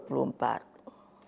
pemilu tahun dua ribu dua puluh empat